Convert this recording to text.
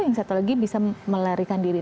yang satu lagi bisa melarikan diri